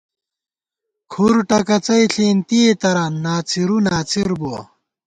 کھُر ٹکَڅِی ݪېنتِئے تران، ناڅِرو ناڅِر بُوَہ